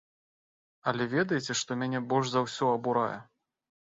Але ведаеце, што мяне больш за ўсё абурае?